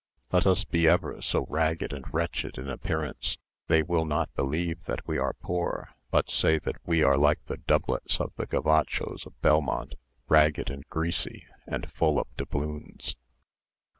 Let us be ever so ragged and wretched in appearance, they will not believe that we are poor, but say that we are like the doublets of the gavachos of Belmont, ragged and greasy and full of doubloons."